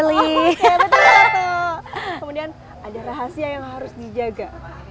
kemudian ada rahasia yang harus dijaga